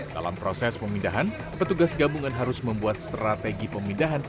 dalam proses pemindahan petugas gabungan harus membuat strategi pemindahan